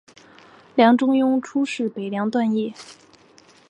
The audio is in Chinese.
梁中庸初仕北凉段业。